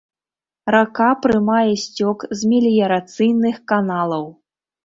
Рака прымае сцёк з меліярацыйных каналаў.